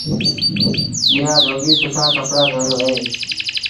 ٻيٚآ دوٻيٚ سُٺآ ڪپڙآ ڌويو ائيٚݩ۔